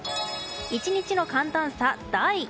１日の寒暖差大。